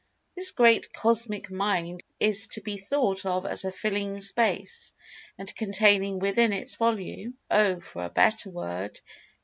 This great Cosmic Mind is to be thought of as filling Space, and containing within its volume (Oh, for a better word!)